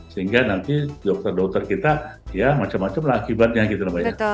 sehingga nanti dokter dokter kita ya macam macam lah akibatnya gitu namanya